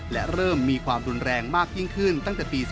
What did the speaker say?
และเริ่มมีความรุนแรงมากยิ่งขึ้นตั้งแต่ปี๒๕